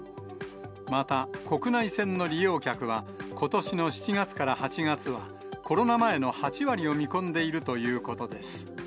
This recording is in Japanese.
また、国内線の利用客はことしの７月から８月は、コロナ前の８割を見込んでいるということです。